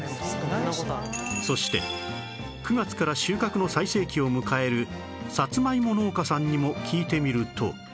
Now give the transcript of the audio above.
そして９月から収穫の最盛期を迎えるさつまいも農家さんにも聞いてみると